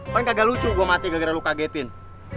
paling kagak lucu gue mati gara gara lu kagetin